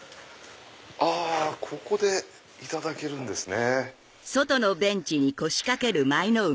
あここでいただけるんですね。